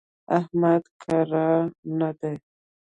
احمد کاره نه دی.